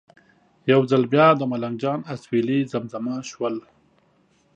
یو ځل بیا د ملنګ جان اسویلي زمزمه شول.